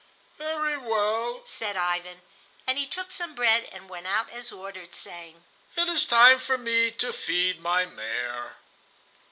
"Very well," said Ivan; and he took some bread and went out as ordered, saying, "It is time for me to feed my mare."